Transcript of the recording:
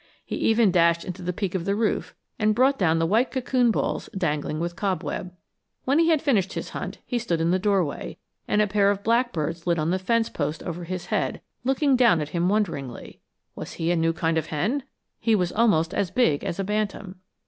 He even dashed into the peak of the roof and brought down the white cocoon balls dangling with cobweb. When he had finished his hunt he stood in the doorway, and a pair of blackbirds lit on the fence post over his head, looking down at him wonderingly. Was he a new kind of hen? He was almost as big as a bantam.